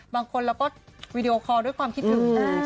บางคนเราก็วีดีโอคอลด้วยความคิดถึง